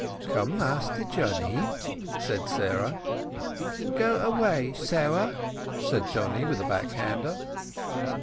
"Come, Master Johnny," said Sarah. "Go away, Sarah," said Johnny, with a back hander.